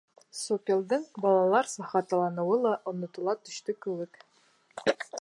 Сопелдың балаларса хаталаныуы ла онотола төштө кеүек.